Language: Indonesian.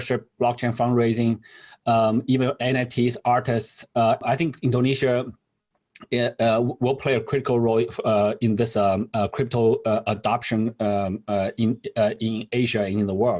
saya pikir indonesia akan memiliki peran kritikal dalam pengadilan kripto di asia dan di dunia